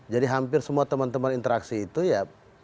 jadi hampir semua teman teman interaksi itu ya